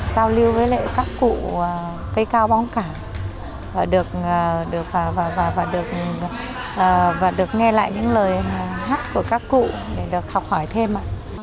giao lưu với lại các cụ cây cao bóng cả và được nghe lại những lời hát của các cụ để được học hỏi thêm